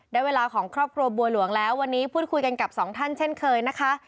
ได้เวลาของครอบครัวบัวหลวงแล้ววันนี้พูดคุยกันกับสองท่านเช่นเคยนะคะ